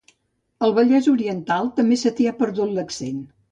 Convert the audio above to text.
Al Vallès oriental també se t'hi ha perdut l'accent